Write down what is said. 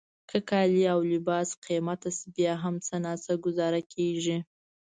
که کالي او لباس قیمته شي بیا هم څه ناڅه ګوزاره کیږي.